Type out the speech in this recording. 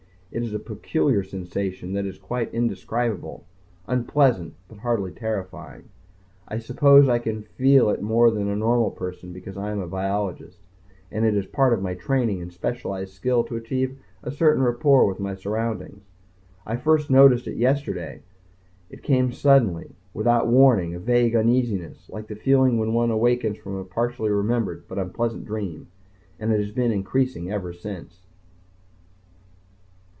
It is a peculiar sensation that is quite indescribable unpleasant but hardly terrifying. I suppose I can feel it more than a normal person because I am a biologist and it is part of my training and specialized skill to achieve a certain rapport with my surroundings. I first noticed it yesterday. It came suddenly, without warning, a vague uneasiness, like the feeling when one awakens from a partially remembered but unpleasant dream. And it has been increasing ever since.